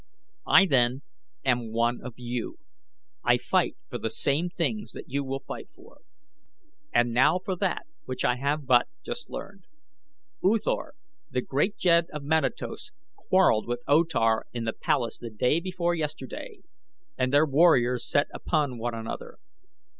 I, then, am one of you. I fight for the same things that you will fight for. "And now for that which I have but just learned. U Thor, the great jed of Manatos, quarreled with O Tar in the palace the day before yesterday and their warriors set upon one another.